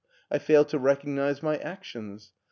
I fail to recognize my actions.